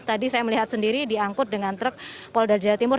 tadi saya melihat sendiri diangkut dengan truk polda jawa timur